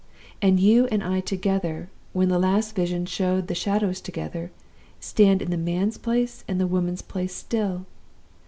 And you and I together, when the last Vision showed the Shadows together, stand in the Man's place and the Woman's place still!